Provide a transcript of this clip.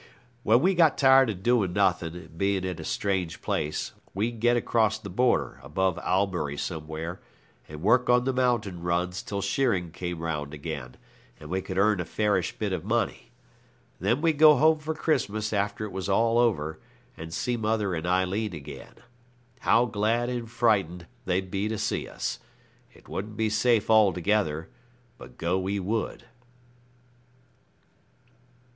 When we got tired of doing nothing, and being in a strange place, we'd get across the border, above Albury somewhere, and work on the mountain runs till shearing came round again; and we could earn a fairish bit of money. Then we'd go home for Christmas after it was all over, and see mother and Aileen again. How glad and frightened they'd be to see us. It wouldn't be safe altogether, but go we would.